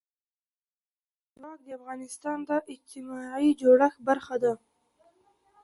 لمریز ځواک د افغانستان د اجتماعي جوړښت برخه ده.